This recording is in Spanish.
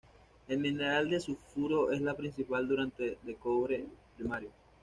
El mineral de sulfuro es la principal fuente de cobre primario.